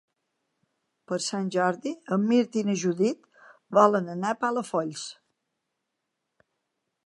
Per Sant Jordi en Mirt i na Judit volen anar a Palafolls.